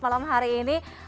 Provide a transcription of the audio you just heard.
malam hari ini